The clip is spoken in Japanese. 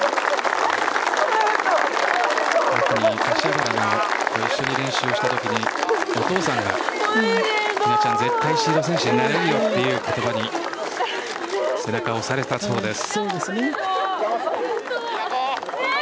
柏原と一緒に練習したときにお父さんが絶対シード選手になれるよという言葉に背中を押されたそうです。